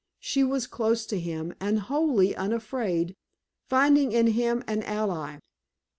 She was close to him, and wholly unafraid, finding in him an ally.